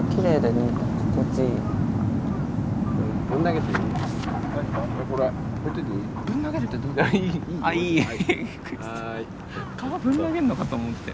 川ぶん投げるのかと思って。